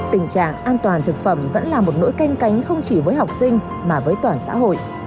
tình trạng an toàn thực phẩm vẫn là một nỗi canh cánh không chỉ với học sinh mà với toàn xã hội